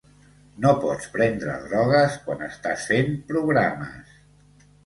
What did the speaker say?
No pots prendre drogues quan estàs fent programes.